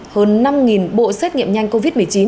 hơn năm bộ xét nghiệm nhanh covid một mươi chín